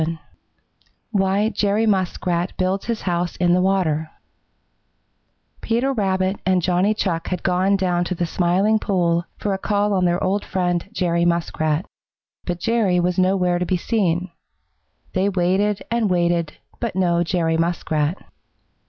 VII WHY JERRY MUSKRAT BUILDS HIS HOUSE IN THE WATER Peter Rabbit and Johnny Chuck had gone down to the Smiling Pool for a call on their old friend, Jerry Muskrat. But Jerry was nowhere to be seen. They waited and waited, but no Jerry Muskrat.